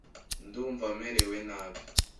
Ndumva merewe nabi .